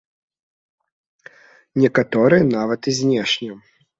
Некаторыя нават і знешне.